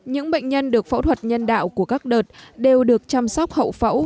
những bệnh nhân được phẫu thuật nhân đạo của các đợt đều được chăm sóc hậu phẫu